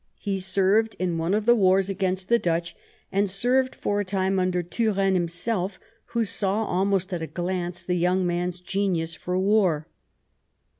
He served in one of the wars against the Dutch, and served for a time under Turenne himself, who saw almost at a glance the young man's genius for war.